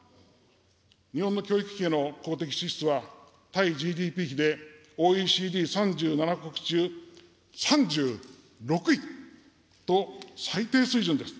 日本の教育費への公的支出は、対ＧＤＰ比でＯＥＣＤ３７か国中３６位と最低水準です。